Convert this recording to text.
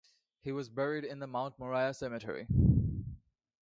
He was buried in the Mount Moriah Cemetery.